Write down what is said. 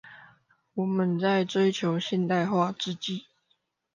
我們在追求現代化之際